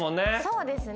そうですね。